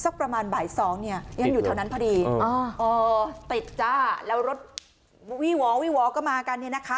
ประมาณบ่ายสองเนี่ยยังอยู่แถวนั้นพอดีติดจ้าแล้วรถวี่วอวี่วอก็มากันเนี่ยนะคะ